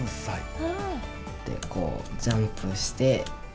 こうジャンプして。